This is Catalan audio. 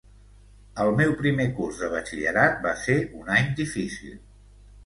El meu primer curs de batxillerat va ser un any difícil.